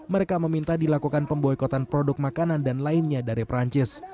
mereka meminta dilakukan pemboikotan produk makanan dan lainnya dari perancis